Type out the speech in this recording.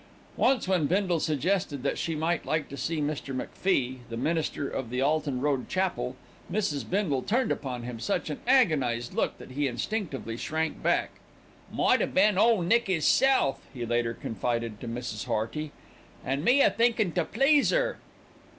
Once when Bindle suggested that she might like to see Mr. MacFie, the minister of the Alton Road Chapel, Mrs. Bindle turned upon him such an agonised look that he instinctively shrank back. "Might a been Ole Nick 'isself," he later confided to Mrs. Hearty, "and me a thinkin' to please 'er."